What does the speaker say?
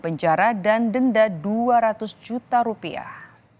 penjara dan denda dua ratus juta rupiah